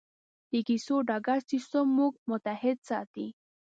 د کیسو دا ګډ سېسټم موږ متحد ساتي.